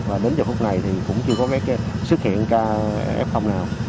và đến giờ phút này thì cũng chưa có cái xuất hiện ca f nào